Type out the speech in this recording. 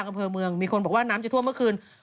อำเภอเมืองมีคนบอกว่าน้ำจะท่วมเมื่อคืน